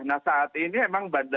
nah saat ini memang banyak